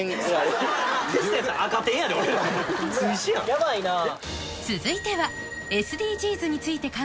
ヤバいなぁ。